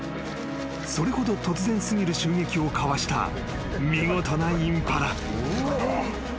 ［それほど突然過ぎる襲撃をかわした見事なインパラ］